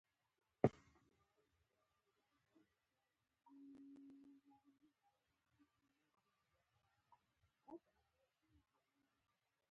دوی د بیت المقدس زیارت ته راغلي وو.